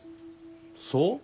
そう？